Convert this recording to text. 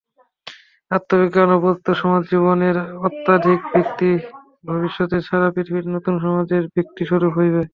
আত্মবিজ্ঞান-প্রদত্ত সমাজ-জীবনের আধ্যাত্মিক ভিত্তিই ভবিষ্যতে সারা পৃথিবীতে নূতন সমাজের ভিত্তিস্বরূপ হইবে।